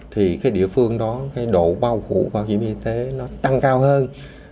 thì cái địa phương đó cái độ bao phủ bảo hiểm y tế nó tăng cao hơn